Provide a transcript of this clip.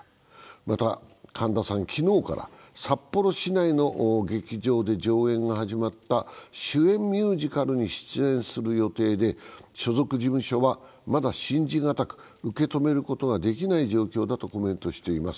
また、神田さんは昨日から札幌市内の劇場で上演が始まった主演ミュージカルに出演する予定で、所属事務所は、まだ信じがたく受け止めることができない状況だとコメントしています。